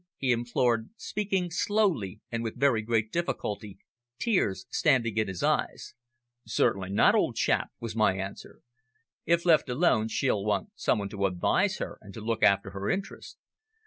he implored, speaking slowly and with very great difficulty, tears standing in his eyes. "Certainly not, old chap," was my answer. "If left alone she'll want some one to advise her and to look after her interests."